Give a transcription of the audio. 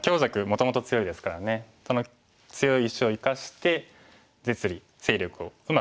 もともと強いですからねその強い石を生かして実利勢力をうまく。